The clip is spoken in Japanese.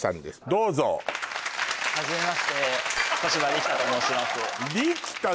どうぞはじめまして小芝力太と申します